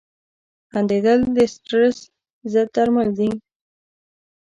• خندېدل د سټرېس ضد درمل دي.